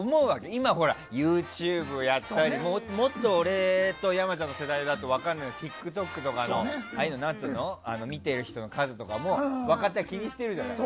今、ＹｏｕＴｕｂｅやったりもっと、俺と山ちゃんの世代だと分からないけどＴｉｋＴｏｋとか見ている人の数とか若手は気にしているじゃない。